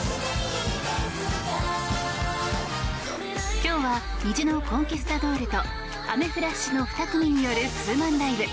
今日は虹のコンキスタドールとアメフラシの２組によるツーマンライブ。